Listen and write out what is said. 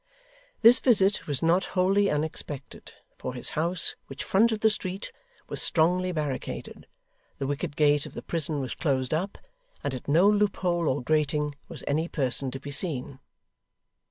This visit was not wholly unexpected, for his house, which fronted the street, was strongly barricaded, the wicket gate of the prison was closed up, and at no loophole or grating was any person to be seen.